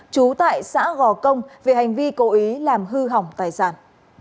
trú tại xã gò công về hành vi cố ý làm hư hỏng tài sản